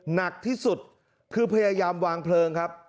หนักที่สุดคือพยายามวางเพลิงครับ